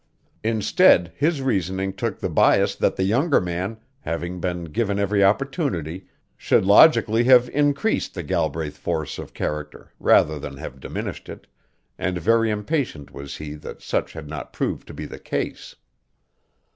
Instead his reasoning took the bias that the younger man, having been given every opportunity, should logically have increased the Galbraith force of character rather than have diminished it, and very impatient was he that such had not proved to be the case.